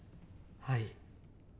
はい。